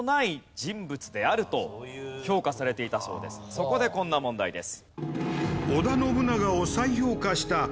そこでこんな問題です。